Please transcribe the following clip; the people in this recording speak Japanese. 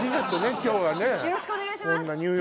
今日はねよろしくお願いします